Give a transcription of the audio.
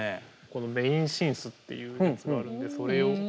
このメインシンセっていうやつがあるのでそれを。